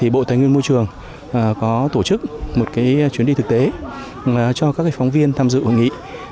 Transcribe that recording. bộ tài nguyên môi trường có tổ chức một chuyến đi thực tế cho các phóng viên tham dự hội nghị